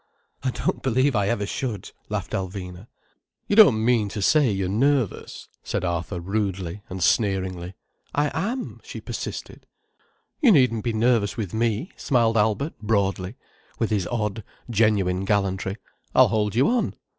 "I don't believe I ever should," laughed Alvina. "You don't mean to say you're nervous?" said Arthur rudely and sneeringly. "I am," she persisted. "You needn't be nervous with me," smiled Albert broadly, with his odd, genuine gallantry. "I'll hold you on."